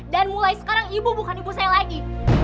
dan mulai sekarang ibu bukan ibu saya lagi